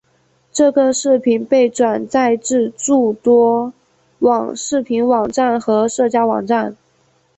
这个视频被转载至诸多视频网站和社交网站。